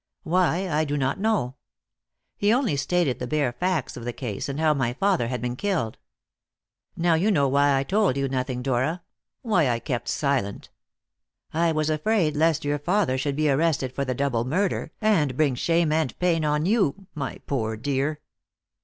Why, I do not know. He only stated the bare facts of the case, and how my father had been killed. Now you know why I told you nothing, Dora why I kept silent. I was afraid lest your father should be arrested for the double murder, and bring shame and pain on you, my poor dear."